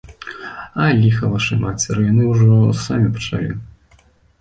А, ліха вашай мацеры, яны ўжо самі пачалі.